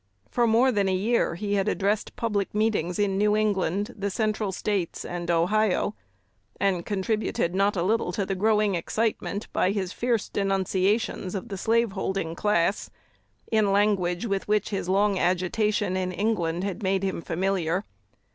For more than a year he addressed public meetings in New England, the Central States, and Ohio, and contributed not a little to the growing excitement by his fierce denunciations of the slave holding class, in language with which his long agitation in England had made him familiar.